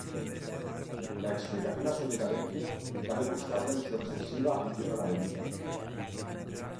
La explicación a su decadencia cabe buscarla en su excesiva afición a la bebida.